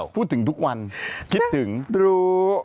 พูดถึงทุกวันคิดถึงรู้